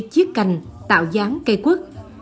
chiếc cảnh tạo dáng cây quốc